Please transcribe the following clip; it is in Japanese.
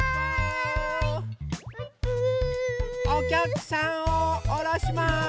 おきゃくさんをおろします。